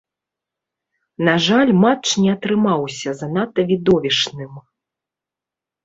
На жаль, матч не атрымаўся занадта відовішчным.